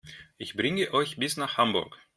Ich bringe euch bis nach Hamburg